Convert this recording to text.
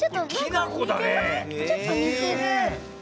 ちょっとにてる。